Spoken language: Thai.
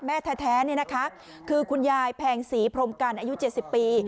แม่แท้เนี่ยนะคะคือคุณยายแพงศรีพรมกันอายุเจ็ดสิบปี